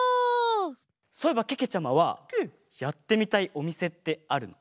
そういえばけけちゃまはやってみたいおみせってあるの？